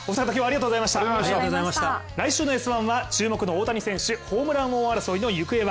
来週の「Ｓ☆１」は注目の大谷選手ホームラン王争いの行方は。